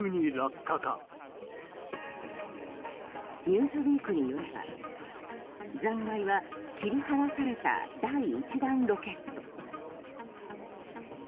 「ニューズウィーク」によれば残骸は切り離された、第１段ロケット。